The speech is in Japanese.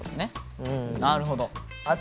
なるほど。